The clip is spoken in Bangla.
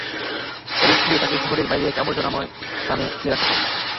অবশেষে তাঁকে শহরের বাইরে এক আবর্জনাময় স্থানে ফেলে রাখা হয়।